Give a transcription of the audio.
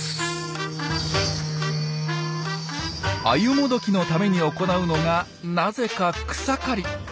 アユモドキのために行うのがなぜか草刈り。